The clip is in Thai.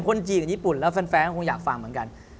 คนจีนกับญี่ปุ่นแล้วแฟนก็คงอยากฟังเหมือนกัน